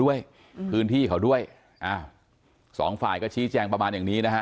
ด้วยพื้นที่เขาด้วยอ้าวสองฝ่ายก็ชี้แจงประมาณอย่างนี้นะฮะ